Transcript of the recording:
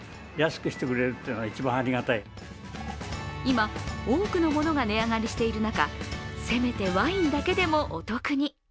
今、多くのものが値上がりしている中、せめてワインだけでもお得に。